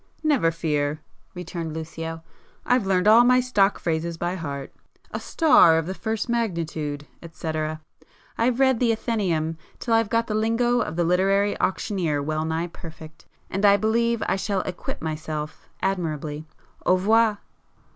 "Never fear!" returned Lucio,—"I've learned all my stock phrases by heart—a 'star of the first magnitude' etc.,—I've read the Athenæum till I've got the lingo of the literary auctioneer well nigh perfect, and I believe I shall acquit myself admirably. Au revoir!"